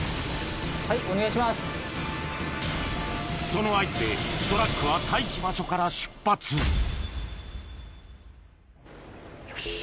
その合図でトラックは待機場所から出発よし。